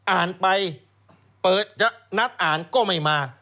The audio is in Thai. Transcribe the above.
อ่านไปเปิดจะนัดอ่านก็ไม่มา